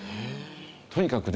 とにかくね